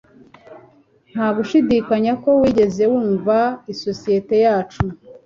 Nta gushidikanya ko wigeze wumva isosiyete yacu